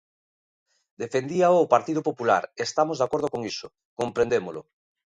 Defendíao o Partido Popular e estamos de acordo con iso, comprendémolo.